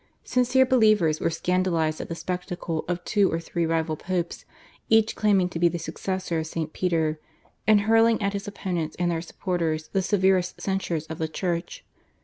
Sincere believers were scandalised at the spectacle of two or three rival Popes, each claiming to be the successor of St. Peter, and hurling at his opponents and their supporters the severest censures of the Church.